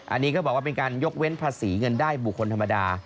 อันนี้ก็บอกว่าเป็นการยกเว้นภาษีเงินได้บุคคลธรรมดา